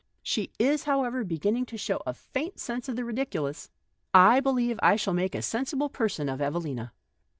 She is, however, beginning to show a faint sense of the ridiculous. I believe I shall make a sensible person of Evelina."